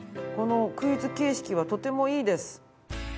このクイズ形式はとてもいいです。